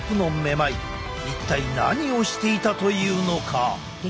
一体何をしていたというのか？